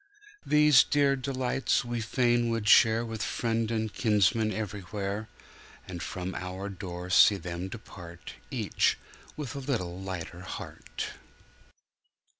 These dear delights we fain would share With friend and kinsman everywhere, And from our door see them depart Each with a little lighter heart.